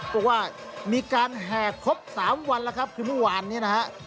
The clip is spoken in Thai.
บอกว่ามีการแห่ครบ๓วันแล้วครับคือเมื่อวานนี้นะฮะ